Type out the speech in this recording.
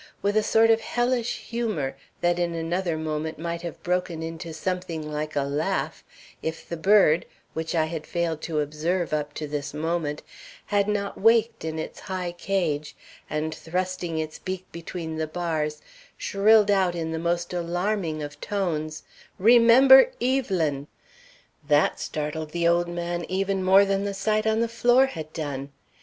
with a sort of hellish humor that in another moment might have broken into something like a laugh, if the bird, which I had failed to observe up to this moment, had not waked in its high cage, and, thrusting its beak between the bars, shrilled out in the most alarming of tones: 'Remember Evelyn!' That startled the old man even more than the sight on the floor had done.